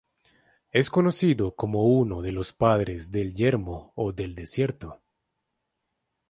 Es conocido como uno de los Padres del Yermo o del Desierto.